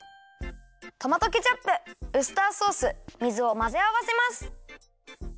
トマトケチャップウスターソース水をまぜあわせます。